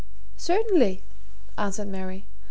"Certainly," answered Mary.